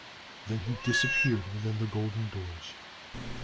Then he disappeared within the golden doors.